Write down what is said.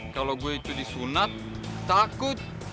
kalau gue itu disunat takut